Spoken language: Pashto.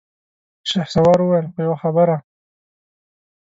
شهسوار وويل: خو يوه خبره!